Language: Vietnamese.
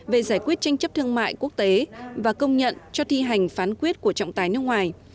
về giải quyết tranh chấp thương mại quốc tế và công nhận cho thi hành phán quyết của trọng tài nước ngoài